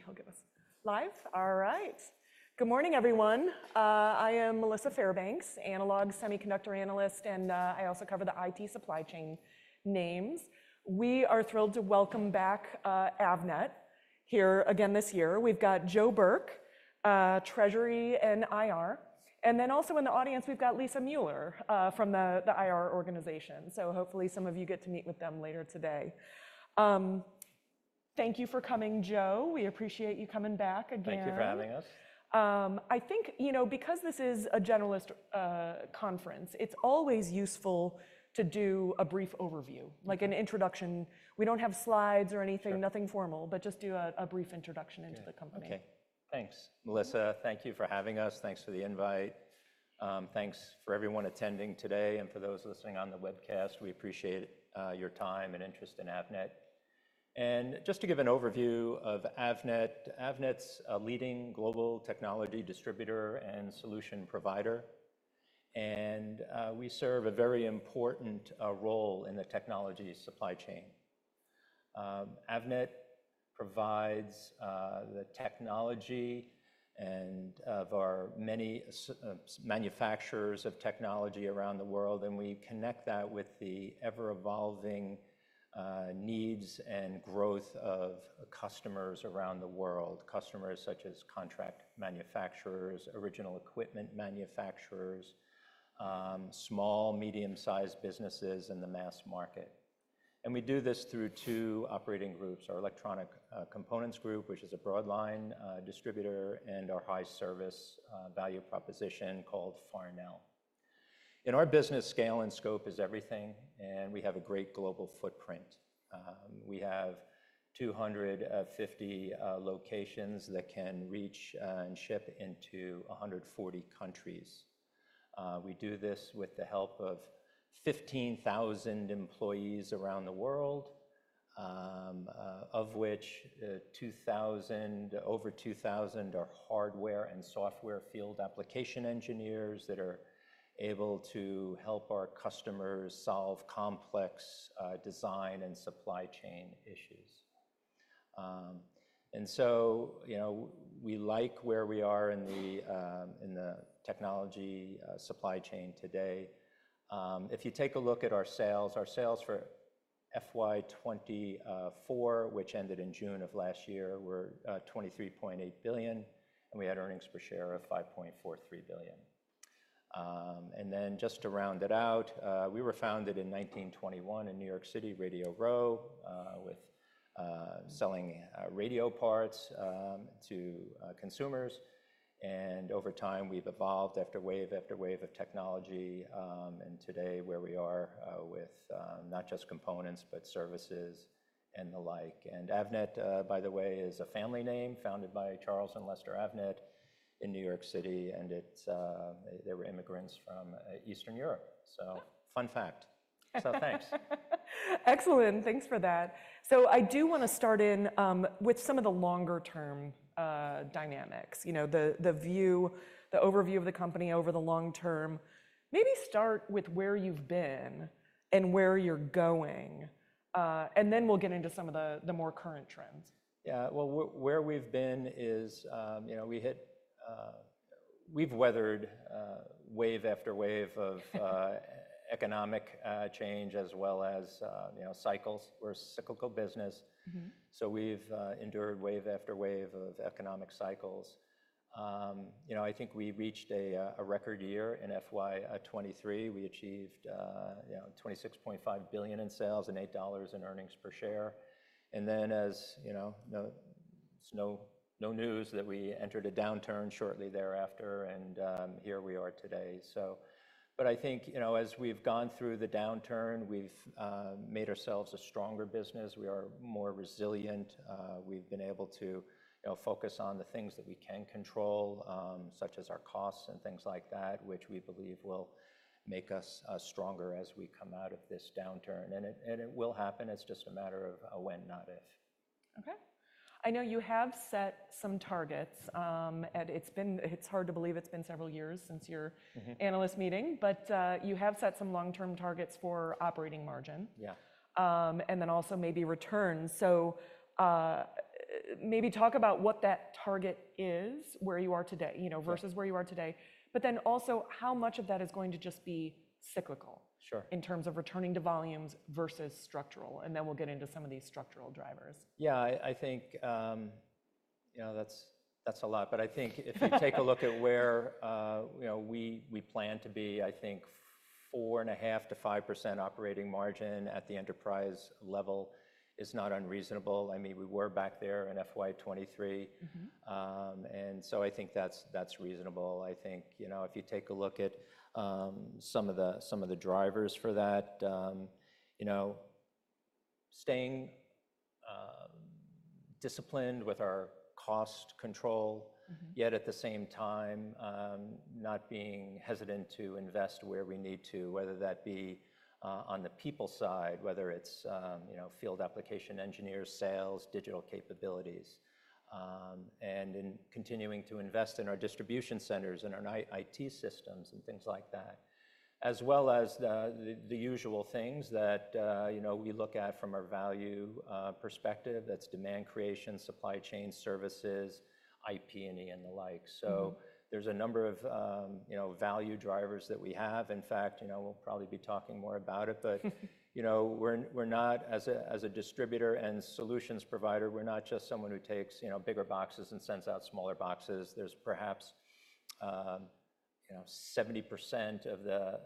See, he'll give us live. All right. Good morning, everyone. I am Melissa Fairbanks, analog semiconductor analyst, and I also cover the IT supply chain names. We are thrilled to welcome back Avnet here again this year. We've got Joe Burke, Treasury and IR. And then also in the audience, we've got Lisa Mueller from the IR organization. So hopefully some of you get to meet with them later today. Thank you for coming, Joe. We appreciate you coming back again. Thank you for having us. I think, you know, because this is a generalist conference, it's always useful to do a brief overview, like an introduction. We don't have slides or anything, nothing formal, but just do a brief introduction into the company. Okay. Thanks, Melissa. Thank you for having us. Thanks for the invite. Thanks for everyone attending today, and for those listening on the webcast. We appreciate your time and interest in Avnet. And just to give an overview of Avnet, Avnet's a leading global technology distributor and solution provider, and we serve a very important role in the technology supply chain. Avnet provides the technology of our many manufacturers of technology around the world, and we connect that with the ever-evolving needs and growth of customers around the world, customers such as contract manufacturers, original equipment manufacturers, small, medium-sized businesses, and the mass market. And we do this through two operating groups: our Electronic Components group, which is a broadline distributor, and our high-service value proposition called Farnell. In our business, scale and scope is everything, and we have a great global footprint. We have 250 locations that can reach and ship into 140 countries. We do this with the help of 15,000 employees around the world, of which over 2,000 are hardware and software field application engineers that are able to help our customers solve complex design and supply chain issues, and so, you know, we like where we are in the technology supply chain today. If you take a look at our sales, our sales for FY 2024, which ended in June of last year, were $23.8 billion, and we had earnings per share of $5.43 billion. Then just to round it out, we were founded in 1921 in New York City, Radio Row, selling radio parts to consumers. Over time, we've evolved after wave after wave of technology, and today, where we are with not just components, but services and the like Avnet, by the way, is a family name founded by Charles and Lester Avnet in New York City, and they were immigrants from Eastern Europe. Fun fact. Thanks. Excellent. Thanks for that. So I do want to start in with some of the longer-term dynamics, you know, the view, the overview of the company over the long term. Maybe start with where you've been and where you're going, and then we'll get into some of the more current trends. Yeah. Well, where we've been is, you know, we've weathered wave after wave of economic change as well as, you know, cycles. We're a cyclical business. So we've endured wave after wave of economic cycles. You know, I think we reached a record year in FY 2023. We achieved, you know, $26.5 billion in sales and $8 in earnings per share. And then as, you know, it's no news that we entered a downturn shortly thereafter, and here we are today. So, but I think, you know, as we've gone through the downturn, we've made ourselves a stronger business. We are more resilient. We've been able to focus on the things that we can control, such as our costs and things like that, which we believe will make us stronger as we come out of this downturn. And it will happen. It's just a matter of when, not if. Okay. I know you have set some targets. It's hard to believe it's been several years since your analyst meeting, but you have set some long-term targets for operating margin. Yeah. And then also maybe returns. So maybe talk about what that target is, where you are today, you know, versus where you are today, but then also how much of that is going to just be cyclical in terms of returning to volumes versus structural. And then we'll get into some of these structural drivers. Yeah, I think, you know, that's a lot. But I think if you take a look at where, you know, we plan to be, I think 4.5%-5% operating margin at the enterprise level is not unreasonable. I mean, we were back there in FY 2023. And so I think that's reasonable. I think, you know, if you take a look at some of the drivers for that, you know, staying disciplined with our cost control, yet at the same time not being hesitant to invest where we need to, whether that be on the people side, whether it's, you know, field application engineers, sales, digital capabilities, and in continuing to invest in our distribution centers and our IT systems and things like that, as well as the usual things that, you know, we look at from our value perspective. That's demand creation, supply chain services, IP and the like. So there's a number of, you know, value drivers that we have. In fact, you know, we'll probably be talking more about it, but, you know, we're not, as a distributor and solutions provider, we're not just someone who takes, you know, bigger boxes and sends out smaller boxes. There's perhaps, you know, 70% of the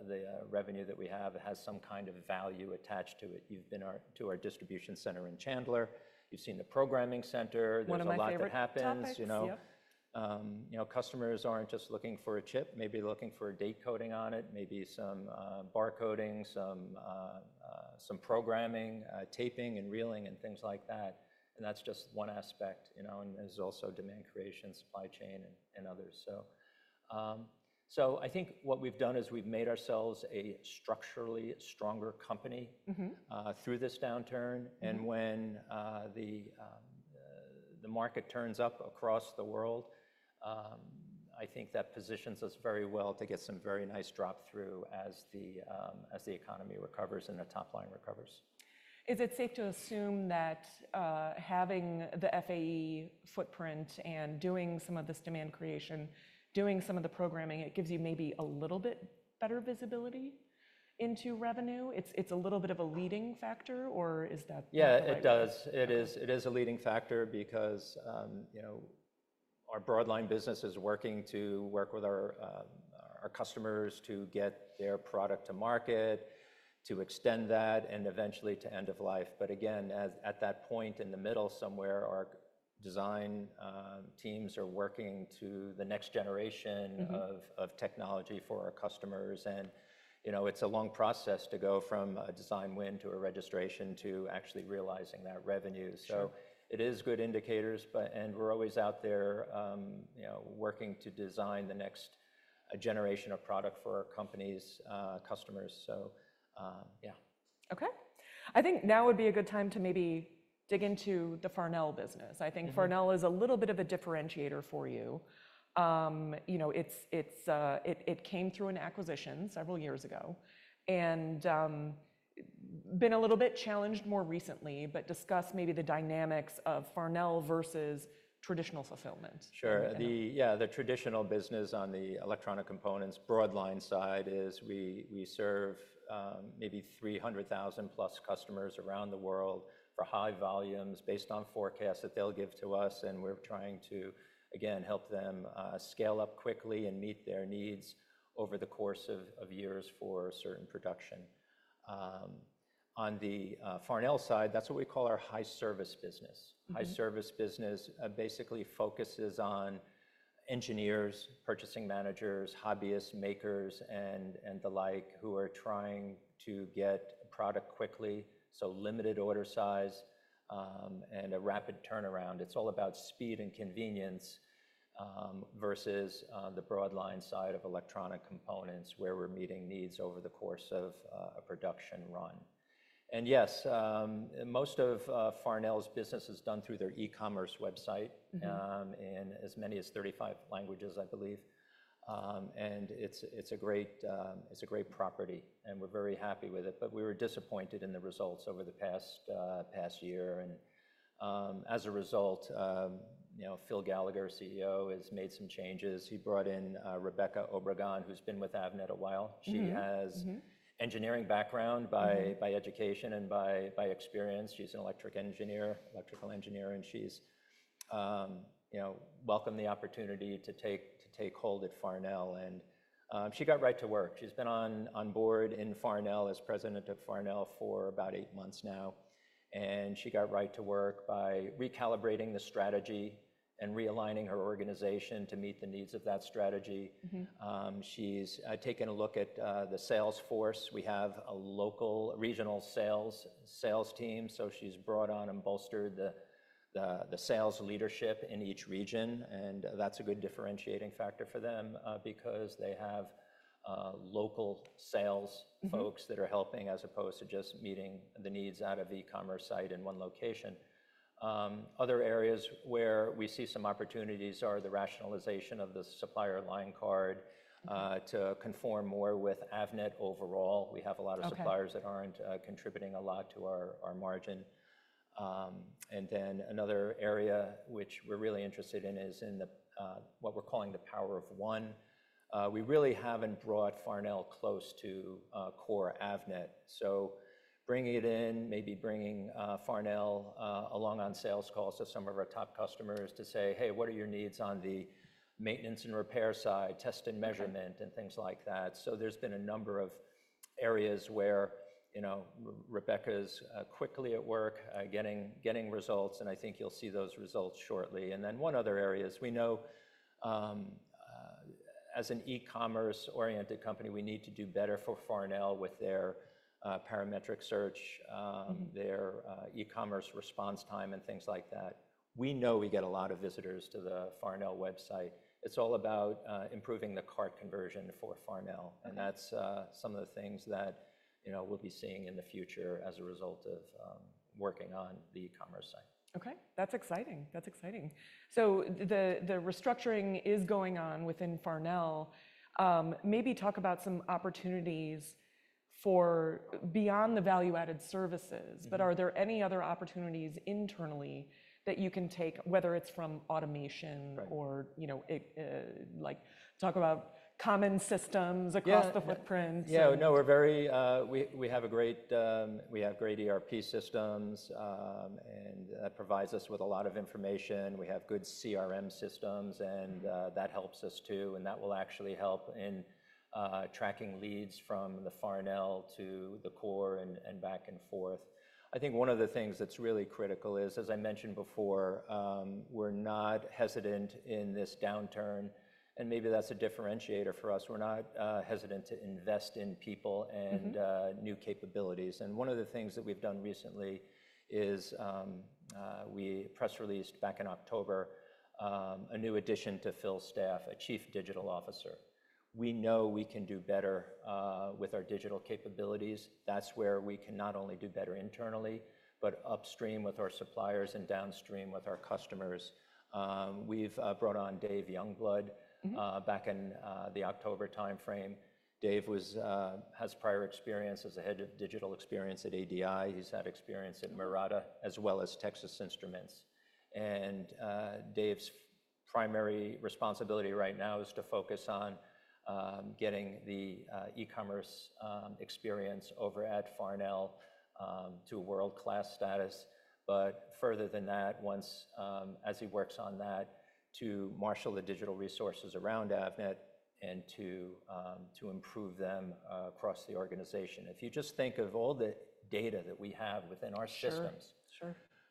revenue that we have has some kind of value attached to it. You've been to our distribution center in Chandler. You've seen the programming center. One of my favorite concepts. There's a lot that happens, you know. You know, customers aren't just looking for a chip, maybe looking for a date coding on it, maybe some barcoding, some programming, taping and reeling and things like that. And that's just one aspect, you know, and there's also demand creation, supply chain and others. So I think what we've done is we've made ourselves a structurally stronger company through this downturn. And when the market turns up across the world, I think that positions us very well to get some very nice drop-through as the economy recovers and the top line recovers. Is it safe to assume that having the FAE footprint and doing some of this demand creation, doing some of the programming, it gives you maybe a little bit better visibility into revenue? It's a little bit of a leading factor, or is that? Yeah, it does. It is a leading factor because, you know, our broadline business is working with our customers to get their product to market, to extend that, and eventually to end of life. But again, at that point in the middle somewhere, our design teams are working to the next generation of technology for our customers. And, you know, it's a long process to go from a design win to a registration to actually realizing that revenue. So it is good indicators, and we're always out there, you know, working to design the next generation of product for our company's customers. So yeah. Okay. I think now would be a good time to maybe dig into the Farnell business. I think Farnell is a little bit of a differentiator for you. You know, it came through an acquisition several years ago and been a little bit challenged more recently, but discuss maybe the dynamics of Farnell versus traditional fulfillment. Sure. Yeah, the traditional business on the electronic components broadline side is we serve maybe 300,000 plus customers around the world for high volumes based on forecasts that they'll give to us. And we're trying to, again, help them scale up quickly and meet their needs over the course of years for certain production. On the Farnell side, that's what we call our high-service business. High-service business basically focuses on engineers, purchasing managers, hobbyists, makers, and the like who are trying to get product quickly. So limited order size and a rapid turnaround. It's all about speed and convenience versus the broadline side of electronic components where we're meeting needs over the course of a production run. And yes, most of Farnell's business is done through their e-commerce website in as many as 35 languages, I believe. And it's a great property, and we're very happy with it. But we were disappointed in the results over the past year. And as a result, you know, Phil Gallagher, CEO, has made some changes. He brought in Rebeca Obregon, who's been with Avnet a while. She has an engineering background by education and by experience. She's an electrical engineer, and she's, you know, welcomed the opportunity to take hold at Farnell. And she got right to work. She's been on board in Farnell as president of Farnell for about eight months now. And she got right to work by recalibrating the strategy and realigning her organization to meet the needs of that strategy. She's taken a look at the sales force. We have a local regional sales team. So she's brought on and bolstered the sales leadership in each region. And that's a good differentiating factor for them because they have local sales folks that are helping as opposed to just meeting the needs out of e-commerce site in one location. Other areas where we see some opportunities are the rationalization of the supplier line card to conform more with Avnet overall. We have a lot of suppliers that aren't contributing a lot to our margin. And then another area which we're really interested in is in what we're calling the power of one. We really haven't brought Farnell close to core Avnet. So bringing it in, maybe bringing Farnell along on sales calls to some of our top customers to say, "Hey, what are your needs on the maintenance and repair side, test and measurement," and things like that. So there's been a number of areas where, you know, Rebeca's quickly at work getting results, and I think you'll see those results shortly. And then one other area is we know as an e-commerce-oriented company, we need to do better for Farnell with their parametric search, their e-commerce response time, and things like that. We know we get a lot of visitors to the Farnell website. It's all about improving the cart conversion for Farnell. And that's some of the things that, you know, we'll be seeing in the future as a result of working on the e-commerce site. Okay. That's exciting. That's exciting. So the restructuring is going on within Farnell. Maybe talk about some opportunities for beyond the value-added services, but are there any other opportunities internally that you can take, whether it's from automation or, you know, like talk about common systems across the footprint? Yeah. No, we're very, we have great ERP systems, and that provides us with a lot of information. We have good CRM systems, and that helps us too. And that will actually help in tracking leads from the Farnell to the core and back and forth. I think one of the things that's really critical is, as I mentioned before, we're not hesitant in this downturn. And maybe that's a differentiator for us. We're not hesitant to invest in people and new capabilities. And one of the things that we've done recently is we press released back in October a new addition to Phil's staff, a Chief Digital Officer. We know we can do better with our digital capabilities. That's where we can not only do better internally, but upstream with our suppliers and downstream with our customers. We've brought on Dave Youngblood back in the October timeframe. Dave has prior experience as a head of digital experience at ADI. He's had experience at Murata as well as Texas Instruments, and Dave's primary responsibility right now is to focus on getting the e-commerce experience over at Farnell to world-class status, but further than that, once as he works on that, to marshal the digital resources around Avnet and to improve them across the organization. If you just think of all the data that we have within our systems,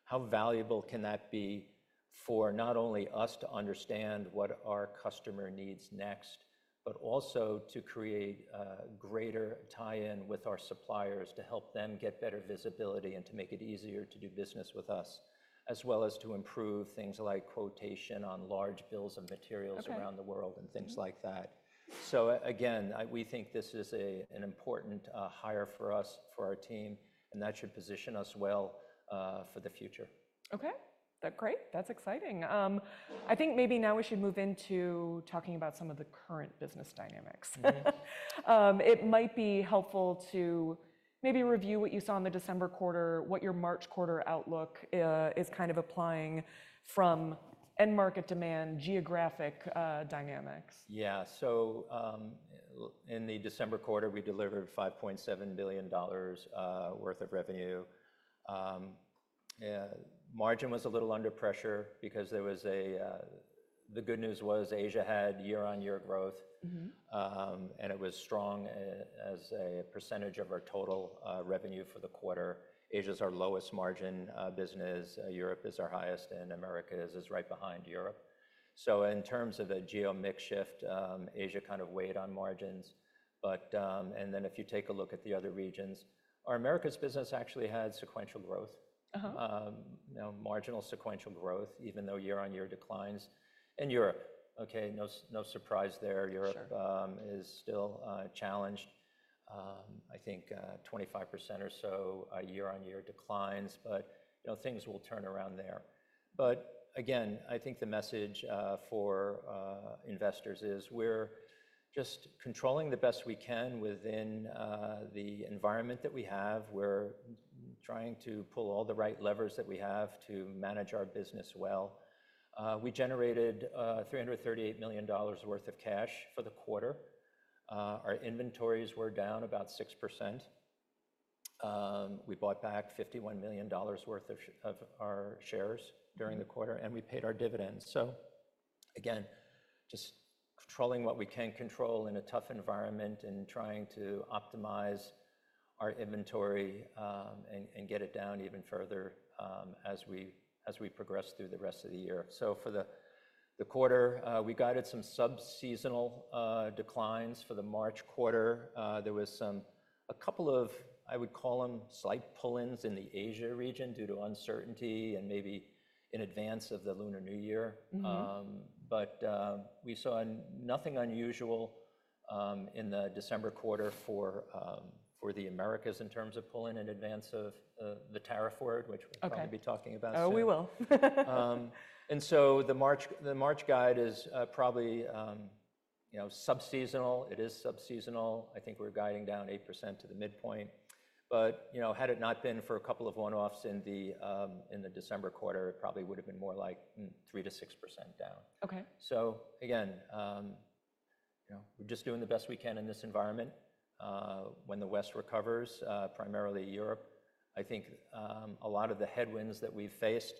how valuable can that be for not only us to understand what our customer needs next, but also to create greater tie-in with our suppliers to help them get better visibility and to make it easier to do business with us, as well as to improve things like quotation on large bills of materials around the world and things like that. So again, we think this is an important hire for us, for our team, and that should position us well for the future. Okay. That's great. That's exciting. I think maybe now we should move into talking about some of the current business dynamics. It might be helpful to maybe review what you saw in the December quarter, what your March quarter outlook is kind of applying from end market demand, geographic dynamics. Yeah. So in the December quarter, we delivered $5.7 billion worth of revenue. Margin was a little under pressure because there was a, the good news was Asia had year-on-year growth, and it was strong as a percentage of our total revenue for the quarter. Asia's our lowest margin business. Europe is our highest, and America is right behind Europe. So in terms of the geo mix shift, Asia kind of weighed on margins. And then if you take a look at the other regions, our America's business actually had sequential growth, marginal sequential growth, even though year-on-year declines in Europe. Okay. No surprise there. Europe is still challenged. I think 25% or so year-on-year declines, but things will turn around there. But again, I think the message for investors is we're just controlling the best we can within the environment that we have. We're trying to pull all the right levers that we have to manage our business well. We generated $338 million worth of cash for the quarter. Our inventories were down about 6%. We bought back $51 million worth of our shares during the quarter, and we paid our dividends. So again, just controlling what we can control in a tough environment and trying to optimize our inventory and get it down even further as we progress through the rest of the year. So for the quarter, we guided some subseasonal declines. For the March quarter, there was a couple of, I would call them slight pull-ins in the Asia region due to uncertainty and maybe in advance of the Lunar New Year. But we saw nothing unusual in the December quarter for the Americas in terms of pulling in advance of the tariff war, which we'll probably be talking about. Oh, we will. The March guide is probably subseasonal. It is subseasonal. I think we're guiding down 8% to the midpoint. Had it not been for a couple of one-offs in the December quarter, it probably would have been more like 3%-6% down. Again, we're just doing the best we can in this environment. When the West recovers, primarily Europe, I think a lot of the headwinds that we've faced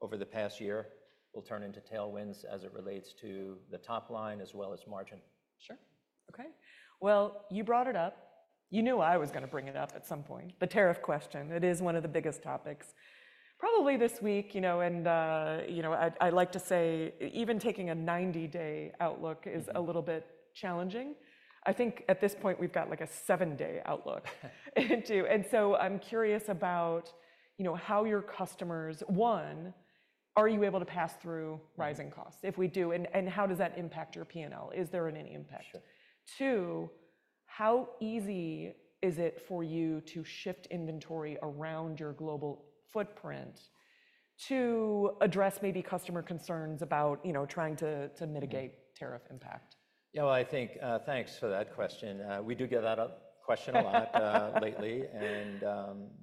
over the past year will turn into tailwinds as it relates to the top line as well as margin. Sure. Okay. Well, you brought it up. You knew I was going to bring it up at some point, the tariff question. It is one of the biggest topics. Probably this week, you know, and I like to say even taking a 90-day outlook is a little bit challenging. I think at this point we've got like a seven-day outlook too. And so I'm curious about how your customers, one, are you able to pass through rising costs? If we do, and how does that impact your P&L? Is there any impact? Two, how easy is it for you to shift inventory around your global footprint to address maybe customer concerns about trying to mitigate tariff impact? Yeah. Well, I think thanks for that question. We do get that question a lot lately. And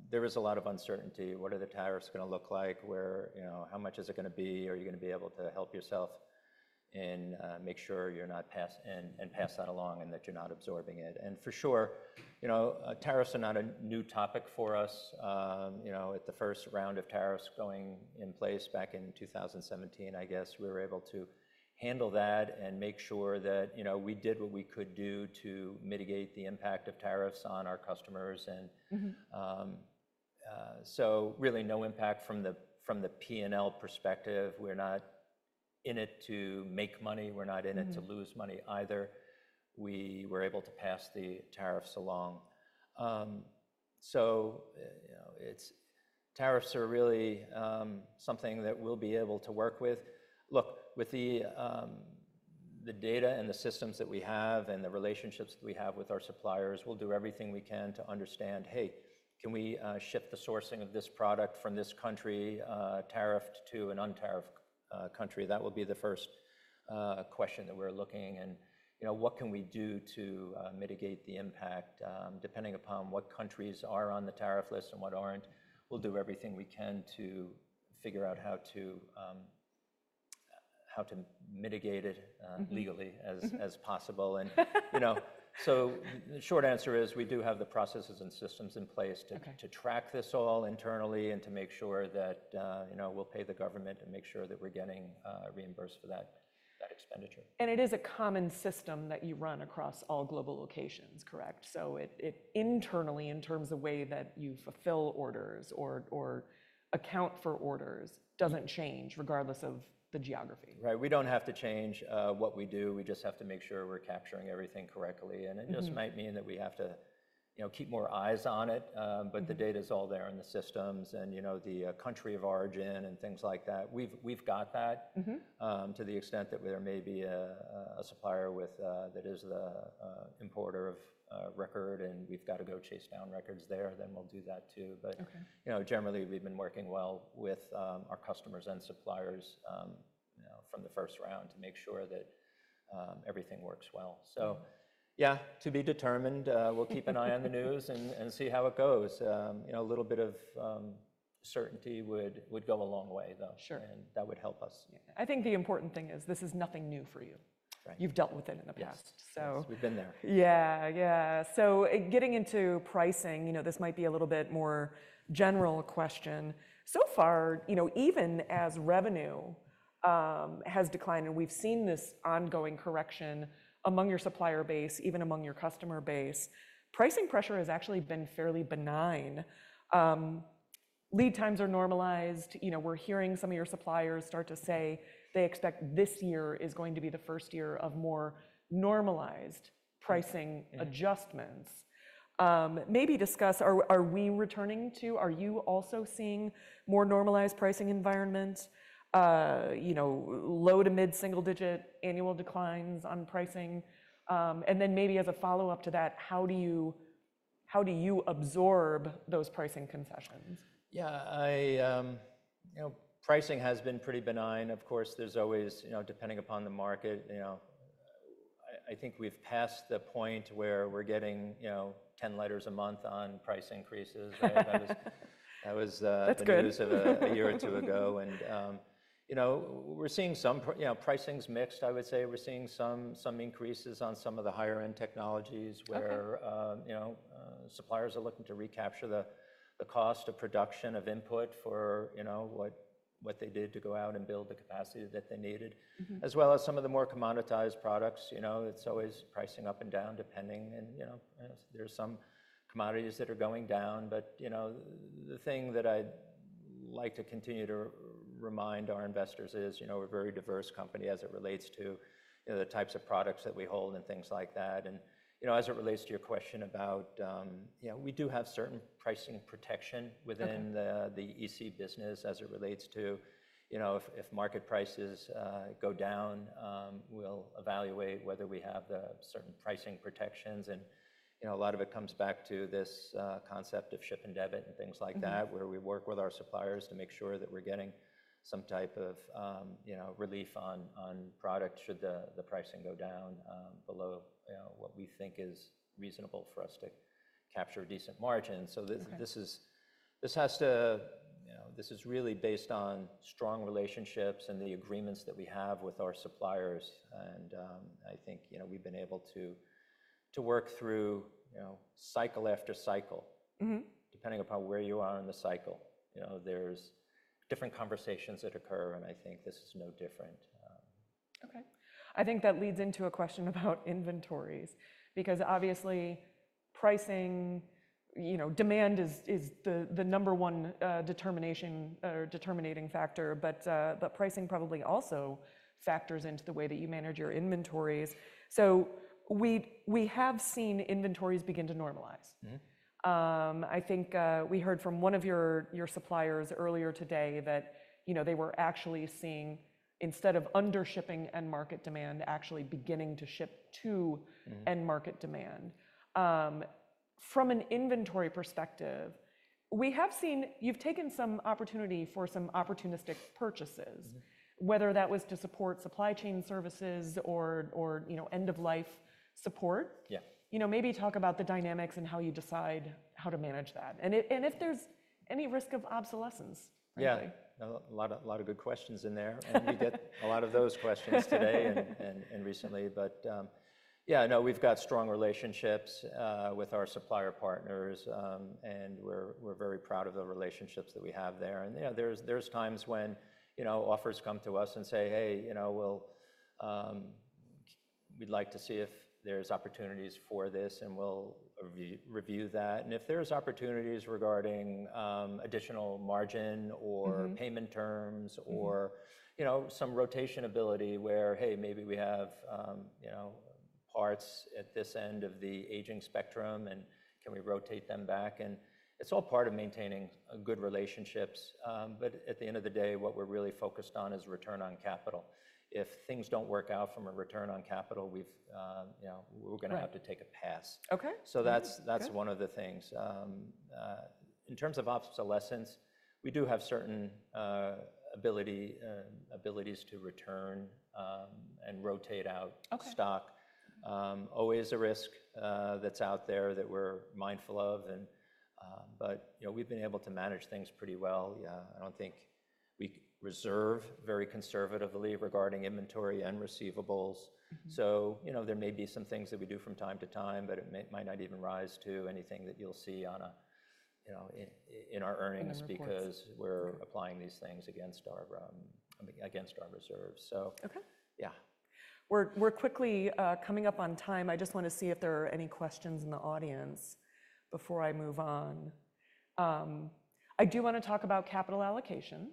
there was a lot of uncertainty. What are the tariffs going to look like? How much is it going to be? Are you going to be able to help yourself and make sure you're not passed and pass that along and that you're not absorbing it? And for sure, tariffs are not a new topic for us. At the first round of tariffs going in place back in 2017, I guess we were able to handle that and make sure that we did what we could do to mitigate the impact of tariffs on our customers. And so really no impact from the P&L perspective. We're not in it to make money. We're not in it to lose money either. We were able to pass the tariffs along. Tariffs are really something that we'll be able to work with. Look, with the data and the systems that we have and the relationships that we have with our suppliers, we'll do everything we can to understand, "Hey, can we shift the sourcing of this product from this country tariffed to an untariffed country?" That will be the first question that we're looking. What can we do to mitigate the impact? Depending upon what countries are on the tariff list and what aren't, we'll do everything we can to figure out how to mitigate it legally as possible. The short answer is we do have the processes and systems in place to track this all internally and to make sure that we'll pay the government and make sure that we're getting reimbursed for that expenditure. And it is a common system that you run across all global locations, correct? So it internally, in terms of the way that you fulfill orders or account for orders, doesn't change regardless of the geography? Right. We don't have to change what we do. We just have to make sure we're capturing everything correctly. It just might mean that we have to keep more eyes on it. The data is all there in the systems and the country of origin and things like that. We've got that to the extent that there may be a supplier that is the importer of record and we've got to go chase down records there, then we'll do that too. Generally, we've been working well with our customers and suppliers from the first round to make sure that everything works well. Yeah, to be determined. We'll keep an eye on the news and see how it goes. A little bit of certainty would go a long way, though. That would help us. I think the important thing is this is nothing new for you. You've dealt with it in the past. Yes. We've been there. Yeah. Yeah. So getting into pricing, this might be a little bit more general question. So far, even as revenue has declined and we've seen this ongoing correction among your supplier base, even among your customer base, pricing pressure has actually been fairly benign. Lead times are normalized. We're hearing some of your suppliers start to say they expect this year is going to be the first year of more normalized pricing adjustments. Maybe discuss, are we returning to, are you also seeing more normalized pricing environments, low to mid single-digit annual declines on pricing? And then maybe as a follow-up to that, how do you absorb those pricing concessions? Yeah. Pricing has been pretty benign. Of course, there's always, depending upon the market, I think we've passed the point where we're getting 10 letters a month on price increases. That was the news of a year or two ago, and we're seeing some pricing's mixed, I would say. We're seeing some increases on some of the higher-end technologies where suppliers are looking to recapture the cost of production of input for what they did to go out and build the capacity that they needed, as well as some of the more commoditized products. It's always pricing up and down depending, and there's some commodities that are going down, but the thing that I'd like to continue to remind our investors is we're a very diverse company as it relates to the types of products that we hold and things like that. And as it relates to your question about, we do have certain pricing protection within the EC business as it relates to if market prices go down. We'll evaluate whether we have the certain pricing protections. And a lot of it comes back to this concept of ship and debit and things like that, where we work with our suppliers to make sure that we're getting some type of relief on product should the pricing go down below what we think is reasonable for us to capture a decent margin. So this is really based on strong relationships and the agreements that we have with our suppliers. And I think we've been able to work through cycle after cycle, depending upon where you are in the cycle. There's different conversations that occur, and I think this is no different. Okay. I think that leads into a question about inventories because obviously pricing, demand is the number one determination or determining factor, but pricing probably also factors into the way that you manage your inventories. So we have seen inventories begin to normalize. I think we heard from one of your suppliers earlier today that they were actually seeing, instead of under-shipping end market demand, actually beginning to ship to end market demand. From an inventory perspective, we have seen you've taken some opportunity for some opportunistic purchases, whether that was to support supply chain services or end-of-life support. Maybe talk about the dynamics and how you decide how to manage that. And if there's any risk of obsolescence, really? Yeah, a lot of good questions in there. We get a lot of those questions today and recently, but yeah, no, we've got strong relationships with our supplier partners, and we're very proud of the relationships that we have there. And there's times when offers come to us and say, "Hey, we'd like to see if there's opportunities for this, and we'll review that," and if there's opportunities regarding additional margin or payment terms or some rotation ability where, "Hey, maybe we have parts at this end of the aging spectrum, and can we rotate them back?" And it's all part of maintaining good relationships, but at the end of the day, what we're really focused on is return on capital. If things don't work out from a return on capital, we're going to have to take a pass, so that's one of the things. In terms of obsolescence, we do have certain abilities to return and rotate out stock. Always a risk that's out there that we're mindful of. But we've been able to manage things pretty well. I don't think we reserve very conservatively regarding inventory and receivables. So there may be some things that we do from time to time, but it might not even rise to anything that you'll see in our earnings because we're applying these things against our reserves. So yeah. We're quickly coming up on time. I just want to see if there are any questions in the audience before I move on. I do want to talk about capital allocation.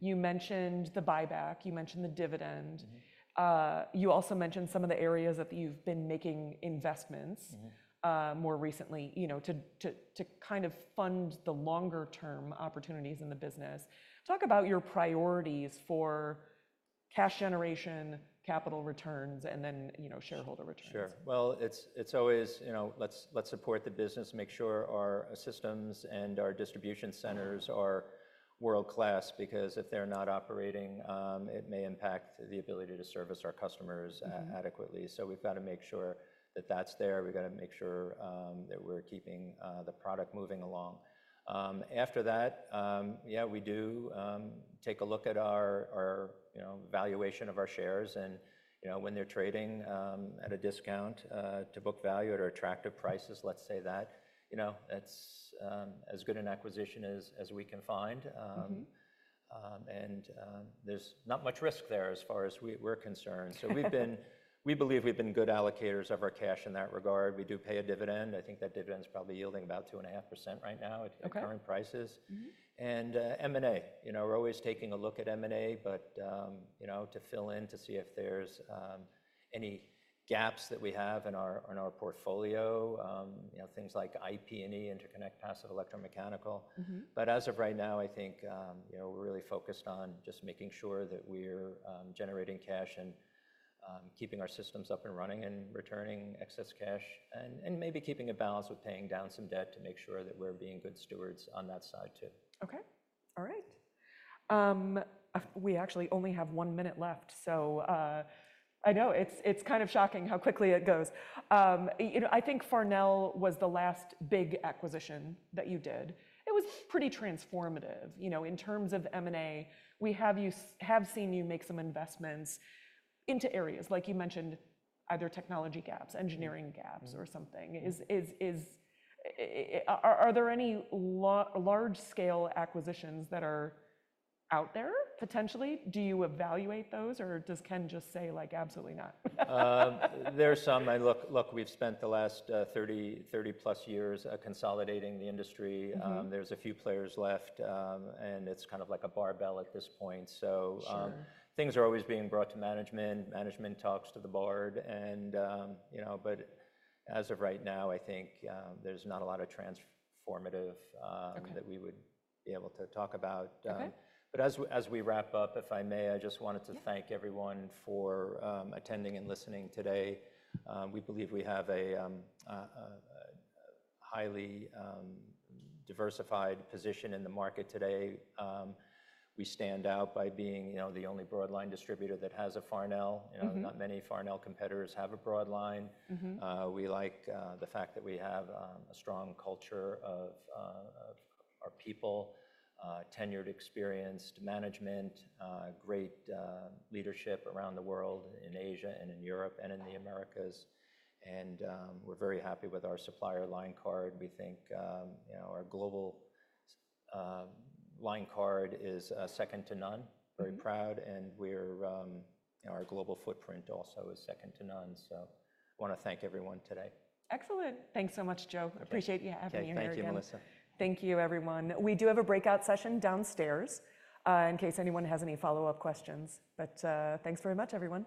You mentioned the buyback. You mentioned the dividend. You also mentioned some of the areas that you've been making investments more recently to kind of fund the longer-term opportunities in the business. Talk about your priorities for cash generation, capital returns, and then shareholder returns. Sure. Well, it's always let's support the business, make sure our systems and our distribution centers are world-class because if they're not operating, it may impact the ability to service our customers adequately. So we've got to make sure that that's there. We've got to make sure that we're keeping the product moving along. After that, yeah, we do take a look at our valuation of our shares. And when they're trading at a discount to book value at attractive prices, let's say that, that's as good an acquisition as we can find. And there's not much risk there as far as we're concerned. So we believe we've been good allocators of our cash in that regard. We do pay a dividend. I think that dividend's probably yielding about 2.5% right now at current prices. And M&A. We're always taking a look at M&A to fill in to see if there's any gaps that we have in our portfolio, things like IP&E, Interconnect, Passives, and Electromechanical. But as of right now, I think we're really focused on just making sure that we're generating cash and keeping our systems up and running and returning excess cash and maybe keeping a balance with paying down some debt to make sure that we're being good stewards on that side too. Okay. All right. We actually only have one minute left. So I know it's kind of shocking how quickly it goes. I think Farnell was the last big acquisition that you did. It was pretty transformative. In terms of M&A, we have seen you make some investments into areas like you mentioned, either technology gaps, engineering gaps, or something. Are there any large-scale acquisitions that are out there potentially? Do you evaluate those, or does Ken just say, "Absolutely not"? There are some. Look, we've spent the last 30-plus years consolidating the industry. There's a few players left, and it's kind of like a barbell at this point. So things are always being brought to management. Management talks to the board. But as of right now, I think there's not a lot of transformative that we would be able to talk about. But as we wrap up, if I may, I just wanted to thank everyone for attending and listening today. We believe we have a highly diversified position in the market today. We stand out by being the only broadline distributor that has a Farnell. Not many Farnell competitors have a broadline. We like the fact that we have a strong culture of our people, tenured, experienced management, great leadership around the world in Asia and in Europe and in the Americas. We're very happy with our supplier line card. We think our global line card is second to none. Very proud. Our global footprint also is second to none. I want to thank everyone today. Excellent. Thanks so much, Joe. Appreciate you having me here. Thank you, Melissa. Thank you, everyone. We do have a breakout session downstairs in case anyone has any follow-up questions. But thanks very much, everyone.